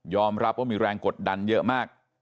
รับว่ามีแรงกดดันเยอะมาก